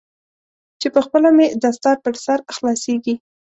چې پخپله مې دستار پر سر خلاصیږي.